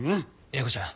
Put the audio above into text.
英子ちゃん